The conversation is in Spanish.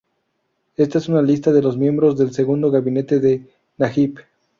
Esta es una lista de los miembros del segundo gabinete de Najib.